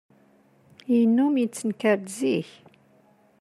Yennum yettenkar-d zik.